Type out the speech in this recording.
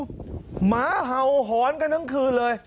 หมาเห่าหอนกันทั้งคืนเลย